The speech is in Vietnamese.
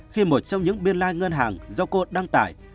khi một trong những biên lai ngân hàng do cô đăng tải